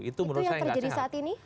itu yang terjadi saat ini